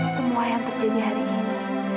semua yang terjadi hari ini